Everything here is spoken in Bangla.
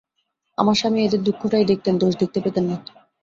আমার স্বামী এঁদের দুঃখটাই দেখতেন, দোষ দেখতে পেতেন না।